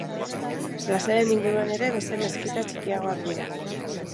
Plazaren inguruan ere beste meskita txikiagoak dira.